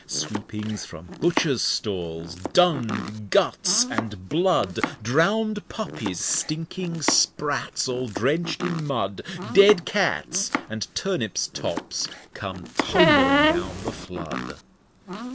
Sweepings from Butchers Stalls, Dung, Guts, and Blood, } Drown'd Puppies, stinking Sprats, all drench'd in Mud, } Dead Cats and Turnips Tops come tumbling down the Flood.